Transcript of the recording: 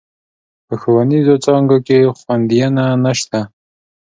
په ښوونيزو څانګو کې خونديينه نشته.